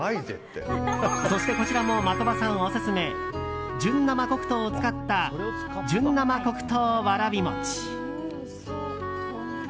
そしてこちらも的場さんオススメ純生黒糖を使った純生黒糖わらび餅。